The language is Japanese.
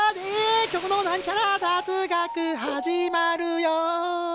今日のなんちゃら雑学始まるよ！